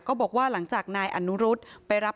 ก็บอกว่าหลังจากนายอนุรุษไปรับ